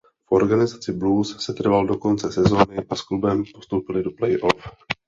V organizaci Blues setrval do konce sezóny a s klubem postoupili do playoff.